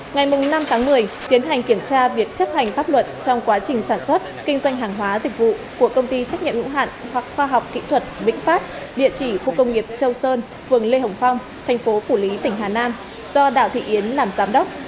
ngày năm tháng một mươi tiến hành kiểm tra việc chấp hành pháp luật trong quá trình sản xuất kinh doanh hàng hóa dịch vụ của công ty trách nhiệm hữu hạn hoặc khoa học kỹ thuật vĩnh pháp địa chỉ khu công nghiệp châu sơn phường lê hồng phong thành phố phủ lý tỉnh hà nam do đạo thị yến làm giám đốc